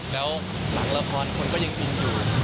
แล้วหลังละครคนก็ยังอินอยู่